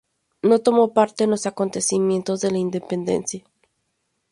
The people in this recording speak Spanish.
No tomó parte en los acontecimientos de la independencia.